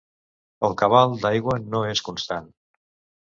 El cabal d'aigua no és constant.